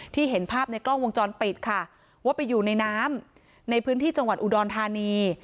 เห็นภาพในกล้องวงจรปิดค่ะว่าไปอยู่ในน้ำในพื้นที่จังหวัดอุดรธานี